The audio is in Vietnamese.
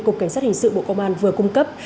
cục cảnh sát hình sự bộ công an vừa cung cấp